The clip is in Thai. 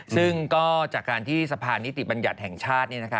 ซึ่งก็จากการที่สะพานนิติบัญญัติแห่งชาติ